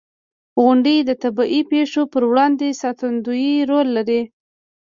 • غونډۍ د طبعي پېښو پر وړاندې ساتندوی رول لري.